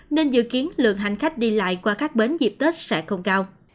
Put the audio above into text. nên dự kiến lượng hành khách đi lại qua các bến dịp tết sẽ không cao